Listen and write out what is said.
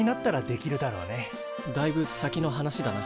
だいぶ先の話だな。